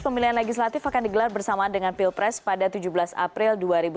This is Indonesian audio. pemilihan legislatif akan digelar bersama dengan pilpres pada tujuh belas april dua ribu sembilan belas